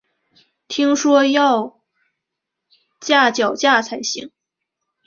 听说要架脚架才行